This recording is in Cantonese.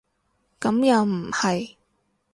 咁又唔係